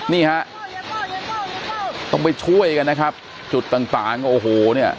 นี่ฮะต้องไปช่วยกันนะครับจุดต่างต่างโอ้โหเนี่ย